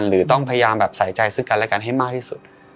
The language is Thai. หรือต้องพยายามแบบใส่ใจซึ่งกันและกันให้มากที่สุด